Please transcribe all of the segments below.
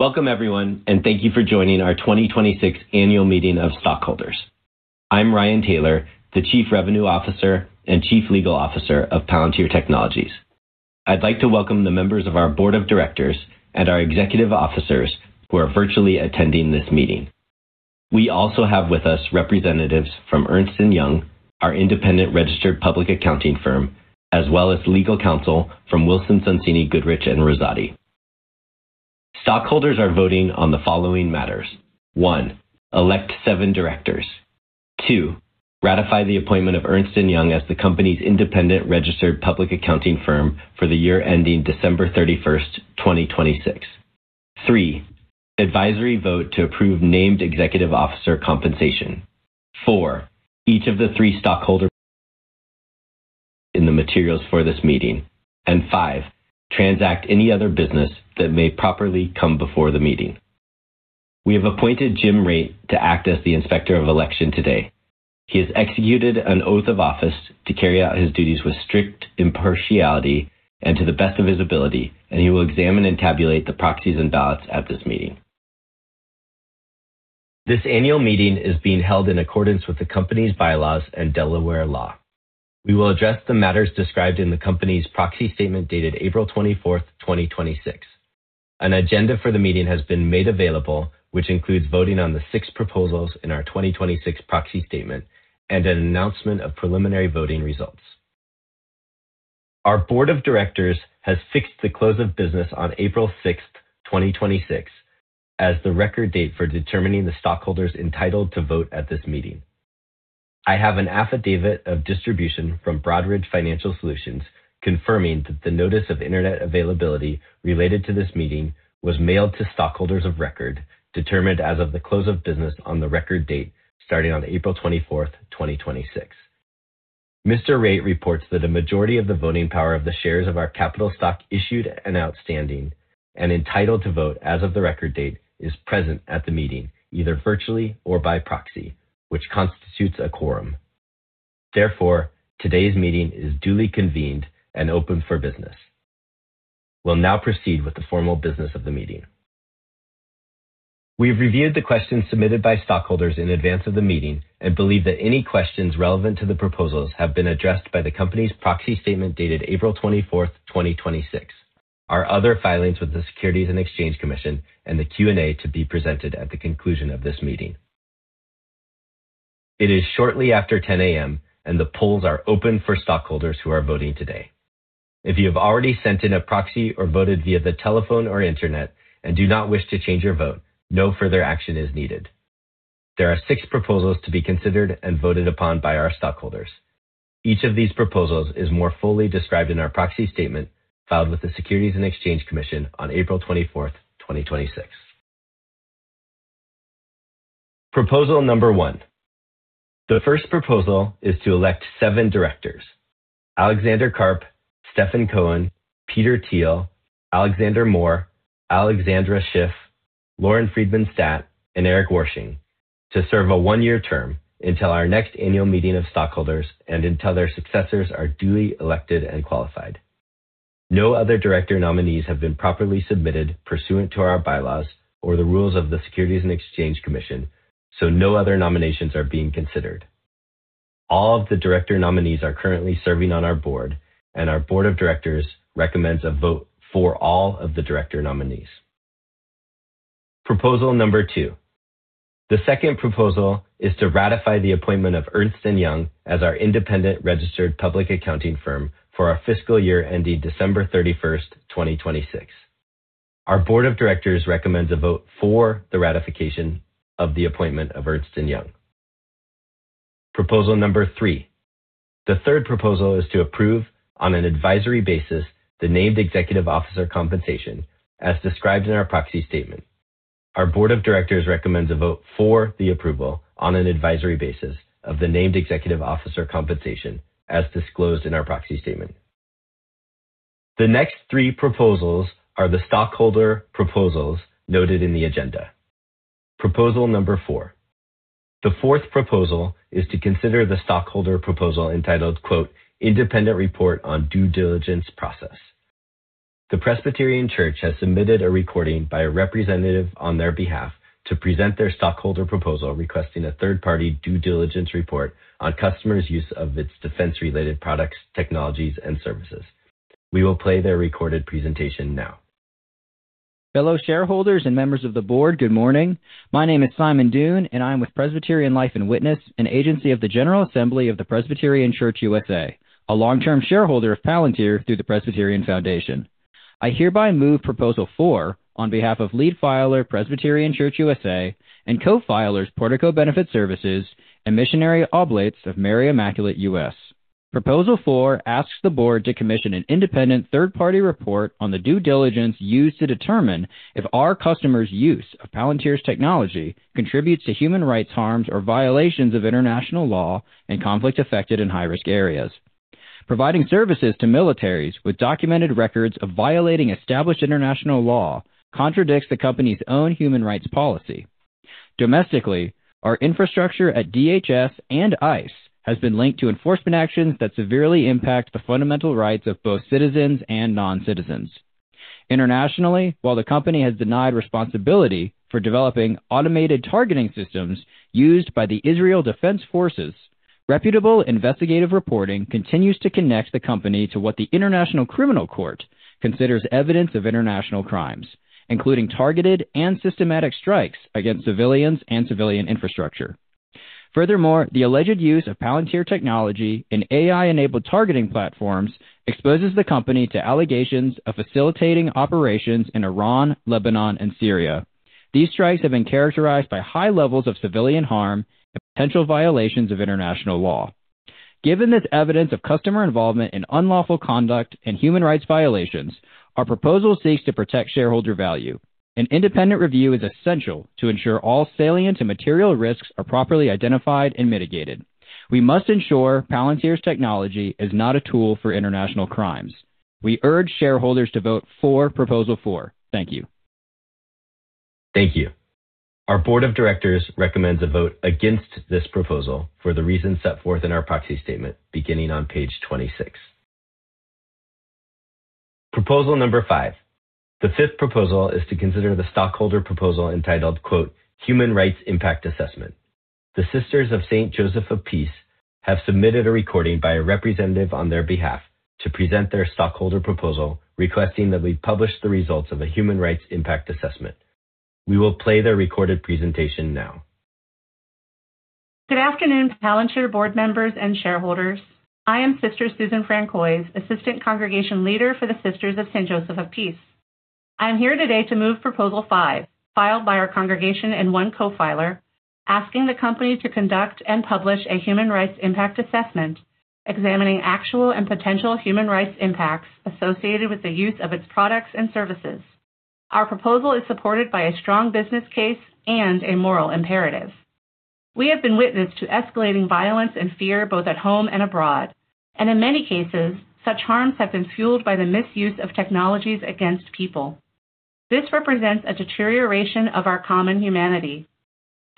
Welcome, everyone, and thank you for joining our 2026 annual meeting of stockholders. I'm Ryan Taylor, the Chief Revenue Officer and Chief Legal Officer of Palantir Technologies. I'd like to welcome the members of our board of directors and our executive officers who are virtually attending this meeting. We also have with us representatives from Ernst & Young, our independent registered public accounting firm, as well as legal counsel from Wilson Sonsini Goodrich & Rosati. Stockholders are voting on the following matters. One, elect seven directors. Two, ratify the appointment of Ernst & Young as the company's independent registered public accounting firm for the year ending December 31st, 2026. Three, advisory vote to approve named executive officer compensation. Four, each of the three stockholder in the materials for this meeting. Five, transact any other business that may properly come before the meeting. We have appointed [Jim Rate] to act as the Inspector of Election today. He has executed an oath of office to carry out his duties with strict impartiality and to the best of his ability, and he will examine and tabulate the proxies and ballots at this meeting. This annual meeting is being held in accordance with the company's bylaws and Delaware law. We will address the matters described in the company's proxy statement dated April 24th, 2026. An agenda for the meeting has been made available, which includes voting on the six proposals in our 2026 proxy statement and an announcement of preliminary voting results. Our board of directors has fixed the close of business on April 6th, 2026, as the record date for determining the stockholders entitled to vote at this meeting. I have an affidavit of distribution from Broadridge Financial Solutions confirming that the notice of internet availability related to this meeting was mailed to stockholders of record, determined as of the close of business on the record date starting on April 24th, 2026. Mr. [Rate] reports that a majority of the voting power of the shares of our capital stock issued and outstanding and entitled to vote as of the record date is present at the meeting, either virtually or by proxy, which constitutes a quorum. Today's meeting is duly convened and open for business. We'll now proceed with the formal business of the meeting. We've reviewed the questions submitted by stockholders in advance of the meeting and believe that any questions relevant to the proposals have been addressed by the company's proxy statement dated April 24th, 2026, our other filings with the Securities and Exchange Commission, and the Q&A to be presented at the conclusion of this meeting. It is shortly after 10:00 A.M., and the polls are open for stockholders who are voting today. If you have already sent in a proxy or voted via the telephone or internet and do not wish to change your vote, no further action is needed. There are six proposals to be considered and voted upon by our stockholders. Each of these proposals is more fully described in our proxy statement filed with the Securities and Exchange Commission on April 24th, 2026. Proposal Number 1. The first proposal is to elect seven directors, Alexander Karp, Stephen Cohen, Peter Thiel, Alexander Moore, Alexandra Schiff, Lauren Friedman Stat, and Eric Woersching, to serve a one-year term until our next annual meeting of stockholders and until their successors are duly elected and qualified. No other director nominees have been properly submitted pursuant to our bylaws or the rules of the Securities and Exchange Commission, so no other nominations are being considered. All of the director nominees are currently serving on our board, and our board of directors recommends a vote for all of the director nominees. Proposal Number 2. The second proposal is to ratify the appointment of Ernst & Young as our independent registered public accounting firm for our fiscal year ending December 31st, 2026. Our board of directors recommends a vote for the ratification of the appointment of Ernst & Young. Proposal Number 3. The third proposal is to approve, on an advisory basis, the named executive officer compensation as described in our proxy statement. Our board of directors recommends a vote for the approval on an advisory basis of the named executive officer compensation as disclosed in our proxy statement. The next three proposals are the stockholder proposals noted in the agenda. Proposal Number 4. The fourth proposal is to consider the stockholder proposal entitled, quote, "Independent report on due diligence process." The Presbyterian Church has submitted a recording by a representative on their behalf to present their stockholder proposal, requesting a third-party due diligence report on customers' use of its defense-related products, technologies, and services. We will play their recorded presentation now. Fellow shareholders and members of the board, good morning. My name is Simon Dunne, and I'm with Presbyterian Life & Witness, an agency of the General Assembly of the Presbyterian Church U.S.A., a long-term shareholder of Palantir through the Presbyterian Foundation. I hereby move proposal four on behalf of lead filer, Presbyterian Church U.S.A., and co-filers, Portico Benefit Services and Missionary Oblates of Mary Immaculate U.S. Proposal four asks the board to commission an independent third-party report on the due diligence used to determine if our customers' use of Palantir's technology contributes to human rights harms or violations of international law in conflict-affected and high-risk areas. Providing services to militaries with documented records of violating established international law contradicts the company's own human rights policy. Domestically, our infrastructure at DHS and ICE has been linked to enforcement actions that severely impact the fundamental rights of both citizens and non-citizens. Internationally, while the company has denied responsibility for developing automated targeting systems used by the Israel Defense Forces, reputable investigative reporting continues to connect the company to what the International Criminal Court considers evidence of international crimes, including targeted and systematic strikes against civilians and civilian infrastructure. The alleged use of Palantir technology in AI-enabled targeting platforms exposes the company to allegations of facilitating operations in Iran, Lebanon, and Syria. These strikes have been characterized by high levels of civilian harm and potential violations of international law. Given this evidence of customer involvement in unlawful conduct and human rights violations, our proposal seeks to protect shareholder value. An independent review is essential to ensure all salient and material risks are properly identified and mitigated. We must ensure Palantir's technology is not a tool for international crimes. We urge shareholders to vote for Proposal 4. Thank you. Thank you. Our board of directors recommends a vote against this proposal for the reasons set forth in our proxy statement beginning on page 26. Proposal Number 5. The fifth proposal is to consider the stockholder proposal entitled, quote, "Human Rights Impact Assessment." The Sisters of St. Joseph of Peace have submitted a recording by a representative on their behalf to present their stockholder proposal, requesting that we publish the results of a human rights impact assessment. We will play their recorded presentation now. Good afternoon, Palantir board members and shareholders. I am Sister Susan Francois, Assistant Congregation Leader for the Sisters of St. Joseph of Peace. I am here today to move Proposal Five, filed by our congregation and one co-filer, asking the company to conduct and publish a human rights impact assessment examining actual and potential human rights impacts associated with the use of its products and services. Our proposal is supported by a strong business case and a moral imperative. We have been witness to escalating violence and fear both at home and abroad, and in many cases, such harms have been fueled by the misuse of technologies against people. This represents a deterioration of our common humanity.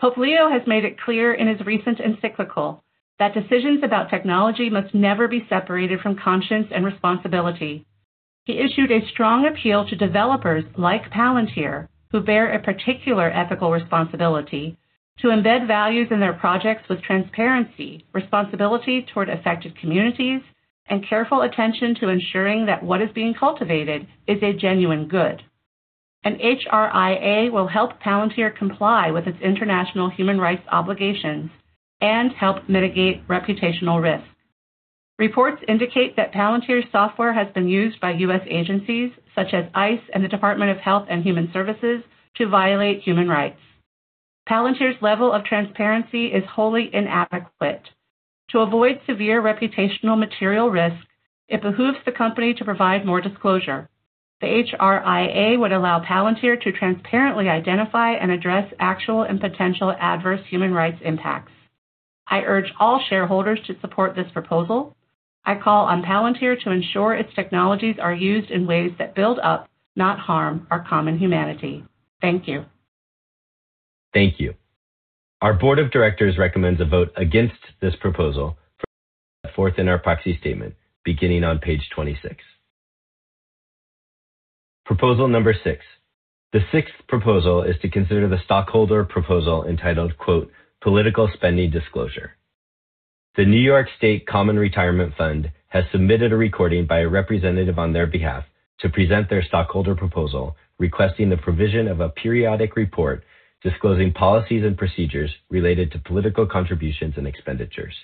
Pope Leo has made it clear in his recent encyclical that decisions about technology must never be separated from conscience and responsibility. He issued a strong appeal to developers like Palantir, who bear a particular ethical responsibility to embed values in their projects with transparency, responsibility toward affected communities, and careful attention to ensuring that what is being cultivated is a genuine good. An HRIA will help Palantir comply with its international human rights obligations and help mitigate reputational risk. Reports indicate that Palantir's software has been used by U.S. agencies, such as ICE and the Department of Health and Human Services, to violate human rights. Palantir's level of transparency is wholly inadequate. To avoid severe reputational material risk, it behooves the company to provide more disclosure. The HRIA would allow Palantir to transparently identify and address actual and potential adverse human rights impacts. I urge all shareholders to support this proposal. I call on Palantir to ensure its technologies are used in ways that build up, not harm, our common humanity. Thank you. Thank you. Our board of directors recommends a vote against this proposal for the reasons set forth in our proxy statement beginning on page 26. Proposal Number 6. The sixth proposal is to consider the stockholder proposal entitled, "Political Spending Disclosure." The New York State Common Retirement Fund has submitted a recording by a representative on their behalf to present their stockholder proposal, requesting the provision of a periodic report disclosing policies and procedures related to political contributions and expenditures.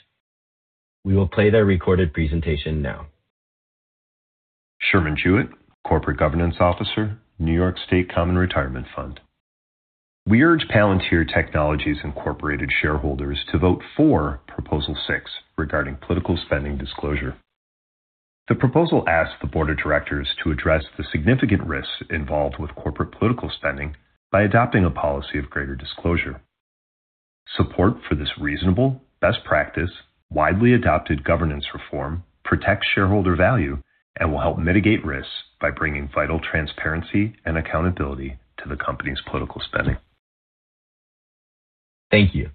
We will play their recorded presentation now. Sherman Jewett, Corporate Governance Officer, New York State Common Retirement Fund. We urge Palantir Technologies Inc. shareholders to vote for Proposal 6 regarding political spending disclosure. The proposal asks the board of directors to address the significant risks involved with corporate political spending by adopting a policy of greater disclosure. Support for this reasonable, best practice, widely adopted governance reform protects shareholder value and will help mitigate risks by bringing vital transparency and accountability to the company's political spending. Thank you.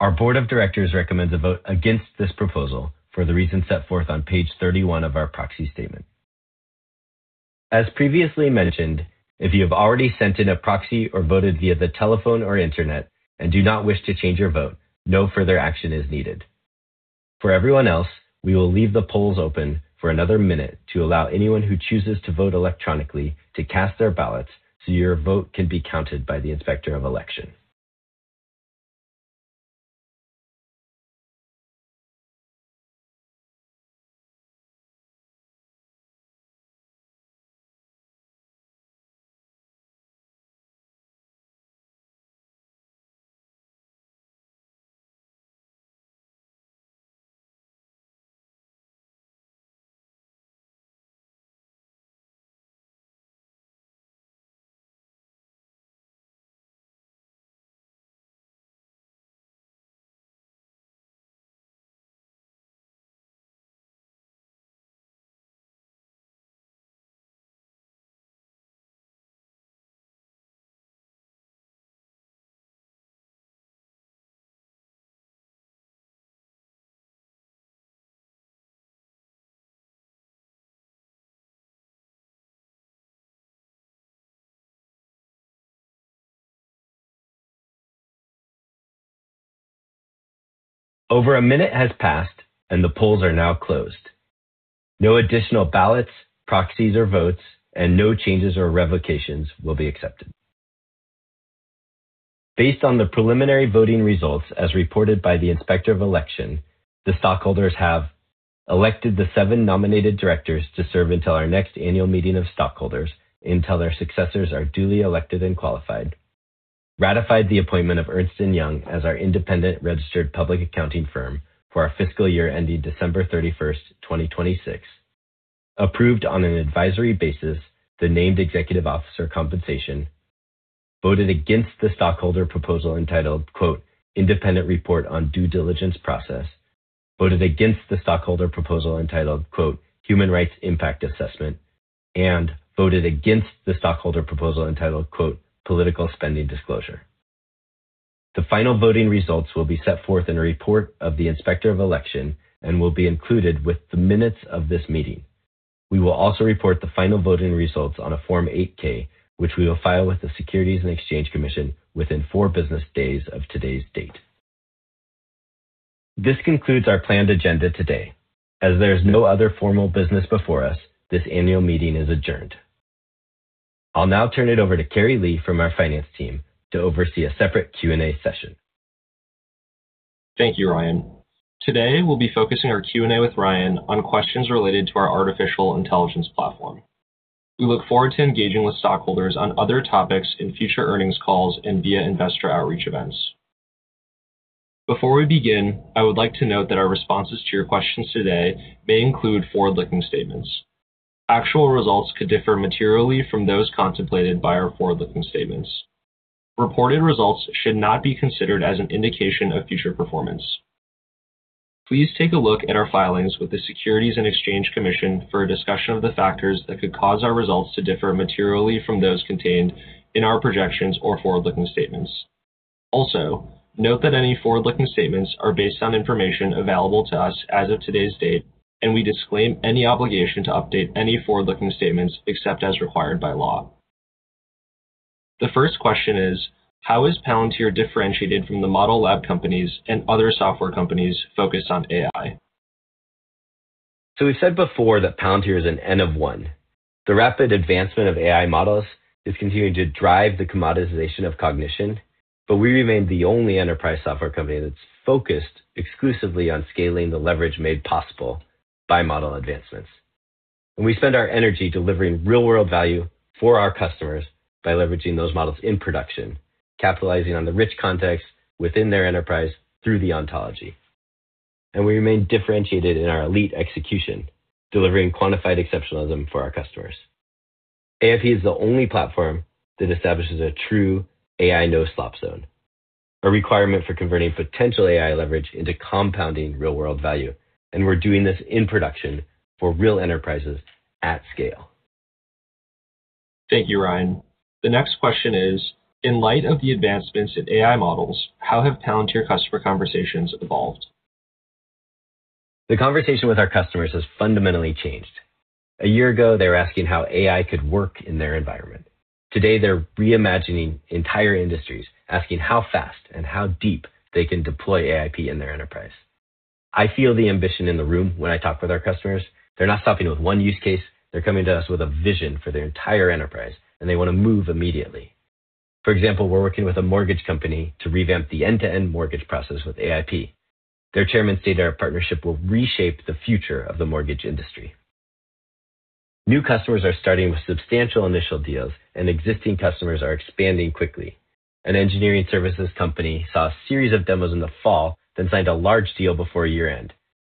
Our board of directors recommends a vote against this proposal for the reasons set forth on page 31 of our proxy statement. As previously mentioned, if you have already sent in a proxy or voted via the telephone or internet and do not wish to change your vote, no further action is needed. For everyone else, we will leave the polls open for another minute to allow anyone who chooses to vote electronically to cast their ballots so your vote can be counted by the Inspector of Election. Over a minute has passed and the polls are now closed. No additional ballots, proxies, or votes, and no changes or revocations will be accepted. Based on the preliminary voting results as reported by the Inspector of Election, the stockholders have elected the seven nominated directors to serve until our next annual meeting of stockholders, until their successors are duly elected and qualified, ratified the appointment of Ernst & Young as our independent registered public accounting firm for our fiscal year ending December 31st, 2026, approved on an advisory basis the named executive officer compensation, voted against the stockholder proposal entitled, "Independent report on due diligence process," voted against the stockholder proposal entitled, "Human rights impact assessment," and voted against the stockholder proposal entitled, "Political spending disclosure." The final voting results will be set forth in a report of the Inspector of Election and will be included with the minutes of this meeting. We will also report the final voting results on a Form 8-K, which we will file with the Securities and Exchange Commission within four business days of today's date. This concludes our planned agenda today. As there is no other formal business before us, this annual meeting is adjourned. I'll now turn it over to Kerry Lee from our finance team to oversee a separate Q&A session. Thank you, Ryan. Today, we'll be focusing our Q&A with Ryan on questions related to our Artificial Intelligence Platform. We look forward to engaging with stockholders on other topics in future earnings calls and via investor outreach events. Before we begin, I would like to note that our responses to your questions today may include forward-looking statements. Actual results could differ materially from those contemplated by our forward-looking statements. Reported results should not be considered as an indication of future performance. Please take a look at our filings with the Securities and Exchange Commission for a discussion of the factors that could cause our results to differ materially from those contained in our projections or forward-looking statements. Note that any forward-looking statements are based on information available to us as of today's date, and we disclaim any obligation to update any forward-looking statements except as required by law. The first question is: How is Palantir differentiated from the model lab companies and other software companies focused on AI? We've said before that Palantir is an N of 1. The rapid advancement of AI models is continuing to drive the commoditization of cognition, but we remain the only enterprise software company that's focused exclusively on scaling the leverage made possible by model advancements. We spend our energy delivering real-world value for our customers by leveraging those models in production, capitalizing on the rich context within their enterprise through the ontology. We remain differentiated in our elite execution, delivering quantified exceptionalism for our customers. AIP is the only platform that establishes a true AI no-slop zone, a requirement for converting potential AI leverage into compounding real-world value. We're doing this in production for real enterprises at scale. Thank you, Ryan. The next question is: In light of the advancements in AI models, how have Palantir customer conversations evolved? The conversation with our customers has fundamentally changed. A year ago, they were asking how AI could work in their environment. Today, they're reimagining entire industries, asking how fast and how deep they can deploy AIP in their enterprise. I feel the ambition in the room when I talk with our customers. They're not stopping with one use case. They're coming to us with a vision for their entire enterprise, and they want to move immediately. For example, we're working with a mortgage company to revamp the end-to-end mortgage process with AIP. Their chairman stated our partnership will reshape the future of the mortgage industry. New customers are starting with substantial initial deals, and existing customers are expanding quickly. An engineering services company saw a series of demos in the fall, then signed a large deal before year-end.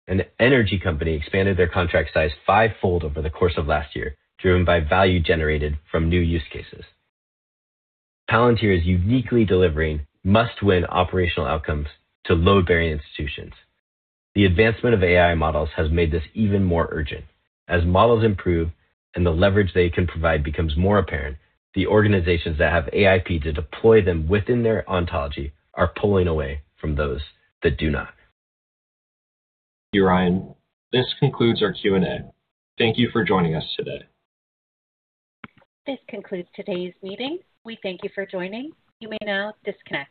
An energy company expanded their contract size fivefold over the course of last year, driven by value generated from new use cases. Palantir is uniquely delivering must-win operational outcomes to load-bearing institutions. The advancement of AI models has made this even more urgent. As models improve and the leverage they can provide becomes more apparent, the organizations that have AIP to deploy them within their ontology are pulling away from those that do not. Ryan, this concludes our Q&A. Thank you for joining us today. This concludes today's meeting. We thank you for joining. You may now disconnect.